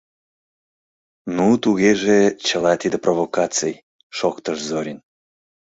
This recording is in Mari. — Ну, тугеже чыла тиде провокаций, — шоктыш Зорин.